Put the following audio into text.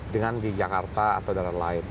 dengan di jakarta atau daerah lain